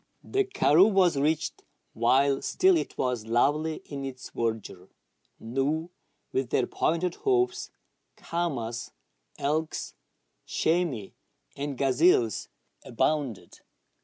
The karroo was reached while still it was lovely in its verdure. Gnus, with their pointed hoofs, caamas, elks, chamois, and gazelles abounded.